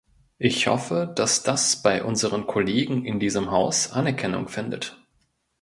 Ich hoffe, dass das bei unseren Kollegen in diesem Haus Anerkennung findet.